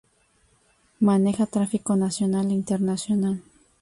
Maneja tráfico nacional e internacional.